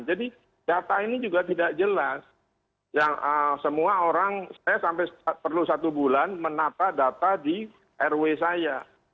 jadi data ini juga tidak jelas yang semua orang saya sampai perlu satu bulan menata data di rw saya